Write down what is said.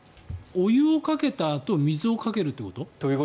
お湯をかけたあと水をかけるってこと？